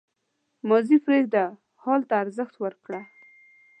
• ماضي پرېږده، حال ته ارزښت ورکړه.